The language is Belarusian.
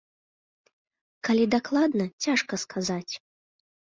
Калі дакладна, цяжка сказаць.